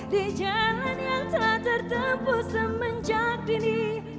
di jalan yang tak tertempu semenjak dini